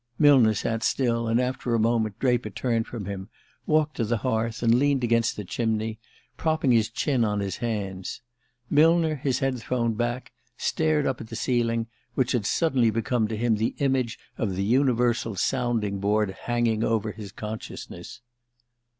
Millner sat still, and after a moment Draper turned from him, walked to the hearth, and leaned against the chimney, propping his chin on his hands. Millner, his head thrown back, stared up at the ceiling, which had suddenly become to him the image of the universal sounding board hanging over his consciousness.